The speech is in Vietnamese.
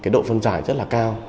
độ phân giải rất là cao